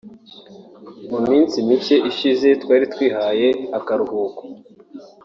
“Mu minsi mike ishize twari twihaye akaruhuko